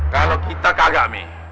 kalau kita kagak mi